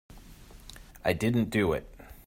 I didn't do it.